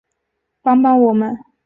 帮帮我们